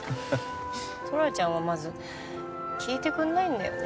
トラちゃんはまず聞いてくれないんだよね